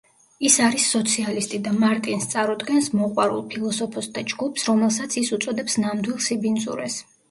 ის არის სოციალისტი და მარტინს წარუდგენს მოყვარულ ფილოსოფოსთა ჯგუფს, რომელსაც ის უწოდებს „ნამდვილ სიბინძურეს“.